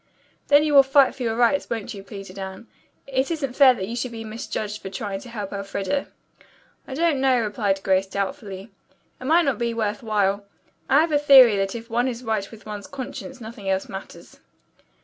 "Then you will fight for your rights, won't you?" pleaded Anne. "It isn't fair that you should be misjudged for trying to help Elfreda." "I don't know," replied Grace doubtfully. "It might not be worth while. I have a theory that if one is right with one's conscience nothing else matters."